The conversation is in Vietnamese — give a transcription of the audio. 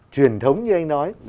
truyền thống như anh nói